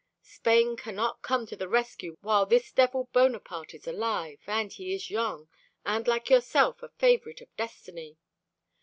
Spain cannot come to the rescue while this devil Bonaparte is alive, and he is young, and like yourself a favorite of destiny.